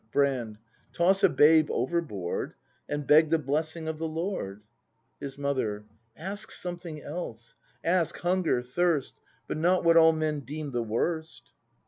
Brand. Toss a babe overboard. And beg the blessing of the Lord. His Mother. Ask something else: ask hunger, thirst, — But not what all men deem the worst!